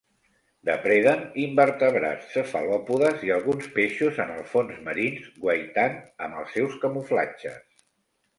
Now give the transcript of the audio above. Depreden invertebrats, cefalòpodes i alguns peixos en els fons marins guaitant amb els seus camuflatges.